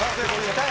痛い！